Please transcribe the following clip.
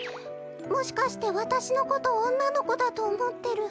もしかしてわたしのことおんなのこだとおもってる？